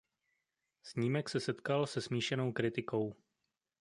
Snímek se setkal se smíšenou kritikou.